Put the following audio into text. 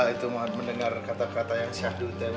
itu mendengar kata kata yang syahdutnya